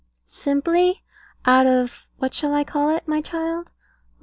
Simply out of what shall I call it, my child?